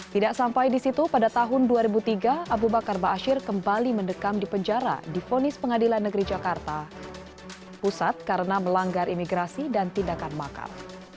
tidak sampai di situ pada tahun dua ribu tiga abu bakar ba'asyir kembali mendekam di penjara difonis pengadilan negeri jakarta pusat karena melanggar imigrasi dan tindakan bakar